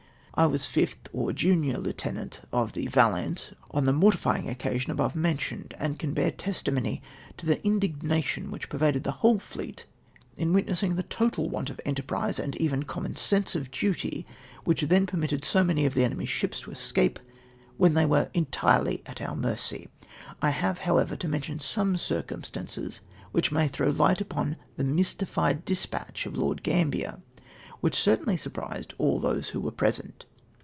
"I was fifth or junior lieutenant of the Valiant, on the mortifying occasion above mentioned, and can bear testimony to the iadifjnation which pervaded the tvhole fleet in luit nessing the total ivant of enterprise, and even common sense of duty, which then permitted so many of the enemy's ships to escape, when they luere entirely at our mercy. "I have, however, to mention some circumstances which may throw light upon the mystified despatch of Lord Gram bier, which certainly surprised all those who were present.